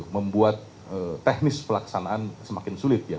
membuat teknis pelaksanaan semakin sulit ya